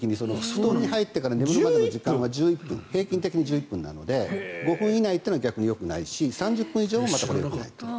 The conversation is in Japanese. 布団に入ってから眠るまでの時間は平均的に１１分なので５分以内というのは逆によくないし３０分以上も逆によくない。